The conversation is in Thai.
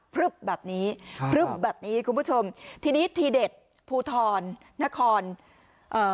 พลึบแบบนี้พลึบแบบนี้คุณผู้ชมทีนี้ทีเด็ดภูทรนครเอ่อ